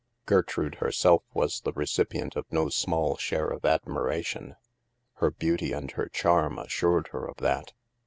Gertrude, herself, was the recipient of no small share of admiration ; her beauty and her charm as sured her of that.